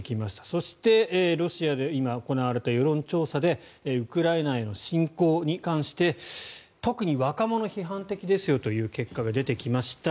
そして、ロシアで今行われた世論調査でウクライナへの侵攻に関して特に若者批判的ですよという結果が出てきました。